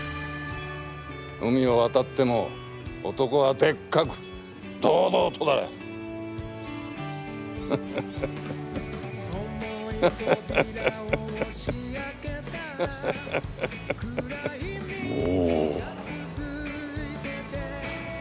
海を渡っても男はでっかく堂々とだ！モ。